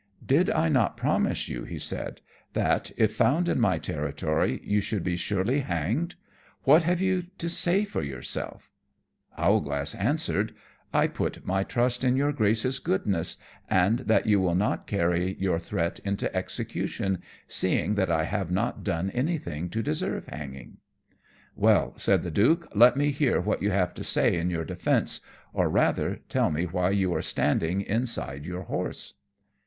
"Did I not promise you," he said, "that, if found in my territory, you should be surely hanged? What have you to say for yourself?" Owlglass answered, "I put my trust in your Grace's goodness, and that you will not carry your threat into execution, seeing that I have not done anything to deserve hanging." "Well," said the Duke, "let me hear what you have to say in your defence, or rather, tell me why you are standing inside your horse?"